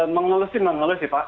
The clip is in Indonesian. mengeloli sih pak